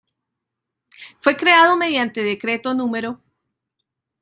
Fue creado mediante Decreto No.